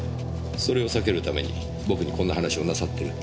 それを避けるために僕にこんな話をなさってる。